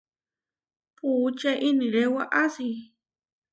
Puúče iniré waʼasi.